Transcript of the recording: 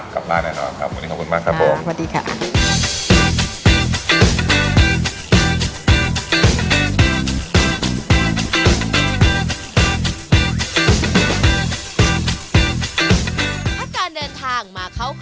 ใครแวะมาจากบางภูมิโน้นนะครับก็ลองมากินครับ